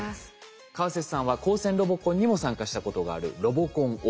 川節さんは高専ロボコンにも参加したことがあるロボコンＯＢ。